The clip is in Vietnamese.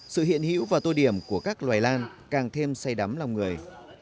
sự hiện hữu và tô điểm của các loài lan càng thêm say đắm lòng người